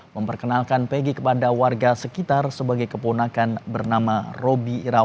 memperkenalkan pegi kepada warga sekitar sebagai keponakan bernama roby irawan